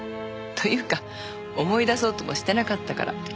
というか思い出そうともしてなかったから。